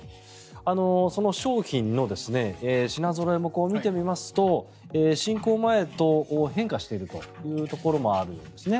その商品の品ぞろえも見てみますと侵攻前と変化しているというところもあるんですね。